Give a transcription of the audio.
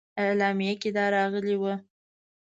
اعلامیه کې دا راغلي وه.